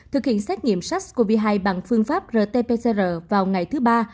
thực hiện xét nghiệm sars cov hai bằng phương pháp rt pcr vào ngày thứ ba